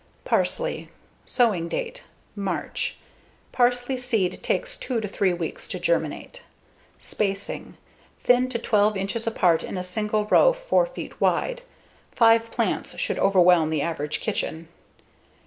Parsley Sowing date: March. Parsley seed takes two to three weeks to germinate. Spacing: Thin to 12 inches apart in a single row 4 feet wide. Five plants should overwhelm the average kitchen.